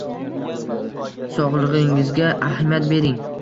Sog‘lig‘ingizga ahamiyat bering.